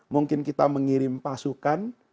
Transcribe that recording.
mungkin kita mengirim pasukan